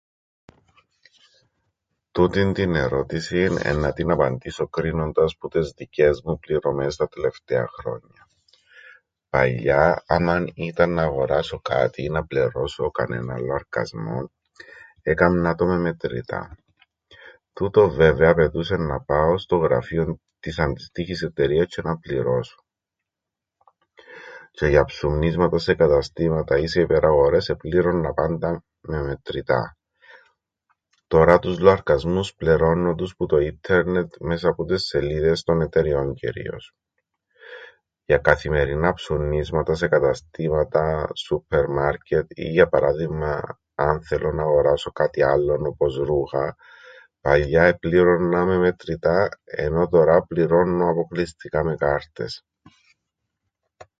Τούτην την ερώτησην εννά την απαντήσω κρίνοντας που τες δικές μου πληρωμές τα τελευταία χρόνια. Παλιά άμαν ήταν να αγοράσω κάτι ή να πλερώσω κανέναν λοαρκασμόν έκαμνα το με μετρητά. Τούτον βέβαια απαιτούσεν να πάω στο γραφείον της αντίστοιχης εταιρείας τζ̆αι να πληρώσω. Τζ̆αι για ψουμνίσματα σε καταστήματα ή σε υπεραγορές επλήρωννα πάντα με μετρητά. Τωρά τους λοαρκασμούς πλερώννω τους που το ίνττερνετ μέσα που τες σελίδες των εταιρειών κυρίως. Για καθημερινά ψουμνίσματα σε κατάστημα, σούππερμαρκετ ή για παράδειγμα αν θέλω να γοράσω κάτι άλλον, όπως ρούχα, παλιά έπληρωννα με μετρητά, ενώ τωρά πληρώννω αποκλειστικά με κάρτες.